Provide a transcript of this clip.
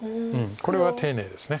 これは丁寧です。